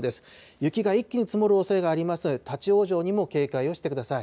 雪が一気に積もるおそれがありますので、立往生にも警戒をしてください。